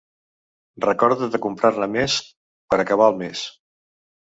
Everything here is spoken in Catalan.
Recorda’t de comprar-ne més per a acabar el mes.